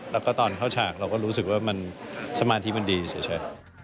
แล้วก็ตอนเข้าฉากเราก็รู้สึกว่ามันสมาธิมันดีเฉย